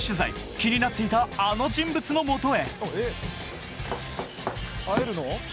気になっていたあの人物の元へ。